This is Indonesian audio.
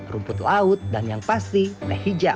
rumput laut dan yang pasti teh hijau